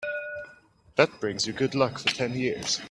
That brings you good luck for ten years.